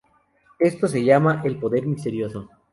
Esto se llama el "poder misterioso".